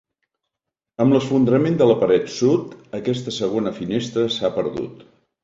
Amb l'esfondrament de la paret sud, aquesta segona finestra s'ha perdut.